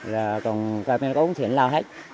rồi còn cơ minh có uống thì ảnh lao hết